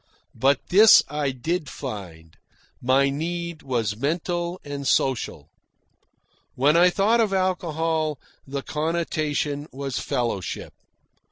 But this I did find: my need was mental and social. When I thought of alcohol, the connotation was fellowship.